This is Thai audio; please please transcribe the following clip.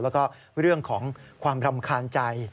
แล้วก็เรื่องของความรำคาญใจ